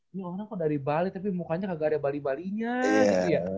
ini orang kok dari bali tapi mukanya agak ada bali balinya gitu ya